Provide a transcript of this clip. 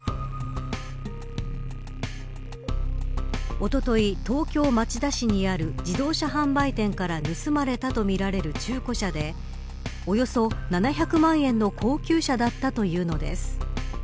おととい、東京・町田市にある自動車販売店から盗まれたとみられる中古車でおよそ７００万円の高級車だったというのです。